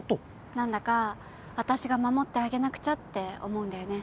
何だか私が守ってあげなくちゃって思うんだよね。